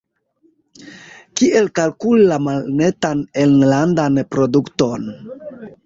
Kiel kalkuli la malnetan enlandan produkton?